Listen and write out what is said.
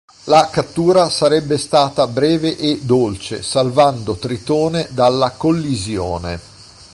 La cattura sarebbe stata breve e dolce, salvando Tritone dalla collisione.